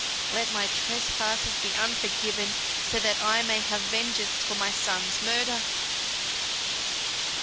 "Let my trespasses be unforgiven, so that I may have vengeance for my son's murder."